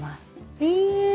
へえ。